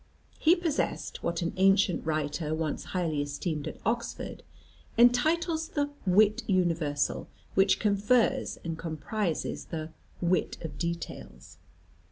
He possessed what an ancient writer, once highly esteemed at Oxford, entitles the "wit universal," which confers and comprises the "wit of details."